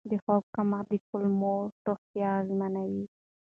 د خوب کمښت د کولمو روغتیا اغېزمنوي.